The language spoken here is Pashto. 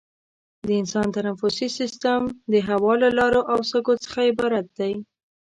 د انسان تنفسي سیستم د هوا له لارو او سږو څخه عبارت دی.